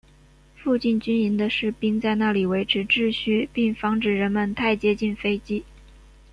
附近军营的士兵在那里维持秩序并防止人们太接近飞机。